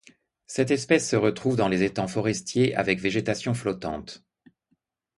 Cette espèce se retrouve dans les étangs forestiers avec végétation flottante.